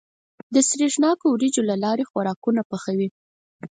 د سرېښناکو وريجو له لارې خوراکونه پخوي.